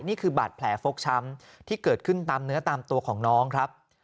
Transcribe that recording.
นี่คือบาดแผลฟกช้ำที่เกิดขึ้นตามเนื้อตามตัวของน้องครับ